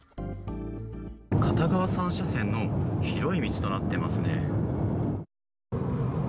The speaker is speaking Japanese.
片側３車線の広い道となっていますね。